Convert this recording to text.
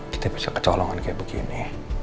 kita bisa kecolongan kayak begini